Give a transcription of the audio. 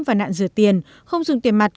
và nạn rửa tiền không dùng tiền mặt